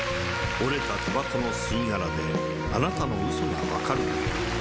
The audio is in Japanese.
折れた煙草の吸いがらであなたの嘘がわかるのよ。